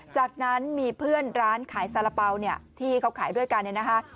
จากนั้นมีเพื่อนร้านขายซาละเป๋าที่เขาขายด้วยกัน